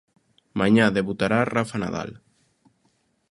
Mañá debutará Rafa Nadal.